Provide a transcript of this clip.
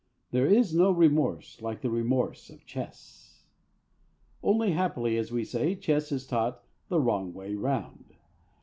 There is no remorse like the remorse of chess. Only, happily, as we say, chess is taught the wrong way round.